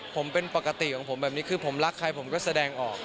ผมเป็นปกติของผมแบบนี้คือผมรักใครผมก็แสดงออก